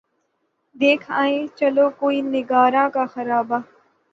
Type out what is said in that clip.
دیکھ آئیں چلو کوئے نگاراں کا خرابہ